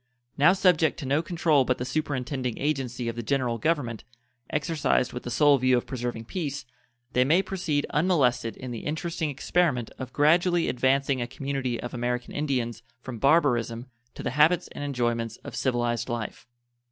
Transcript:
Now subject to no control but the superintending agency of the General Government, exercised with the sole view of preserving peace, they may proceed unmolested in the interesting experiment of gradually advancing a community of American Indians from barbarism to the habits and enjoyments of civilized life.